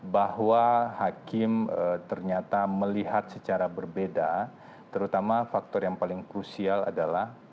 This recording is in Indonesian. bahwa hakim ternyata melihat secara berbeda terutama faktor yang paling krusial adalah